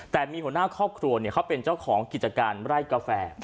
แต่มีหัวหน้าครอบครัวเขาเป็นเจ้าของกิจการไร่กาแฟ